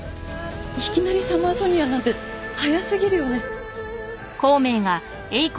いきなりサマーソニアなんて早すぎるよね？